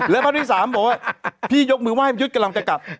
และภาพที่๓บอกว่าพี่ยกมือไห้พี่ยุทธ์กำลังจะกลับ